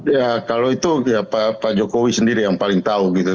ya kalau itu ya pak jokowi sendiri yang paling tahu gitu